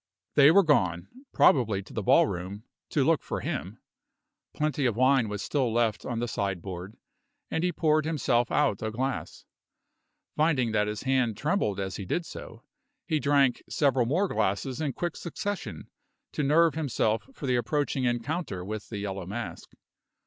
They were gone, probably to the ballroom, to look for him. Plenty of wine was still left on the sideboard, and he poured himself out a glass. Finding that his hand trembled as he did so, he drank several more glasses in quick succession, to nerve himself for the approaching encounter with the Yellow Mask.